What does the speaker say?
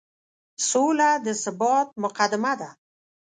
سوله د ثبات مقدمه ده.